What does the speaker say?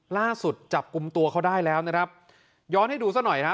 ล่าสุดจับกลุ่มตัวเขาได้แล้วนะครับย้อนให้ดูซะหน่อยฮะ